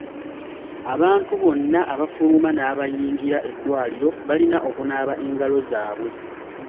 Abantu bonna abafuluma n'abayingira eddwaliro balina okunaaba engalo zaabwe.